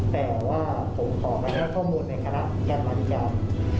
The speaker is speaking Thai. แต่ว่าผมขอรักษาข้อมูลในคณะแพทย์มันดิจารย์